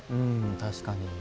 確かに。